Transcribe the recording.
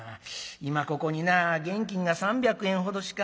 今ここにな現金が３００円ほどしかない。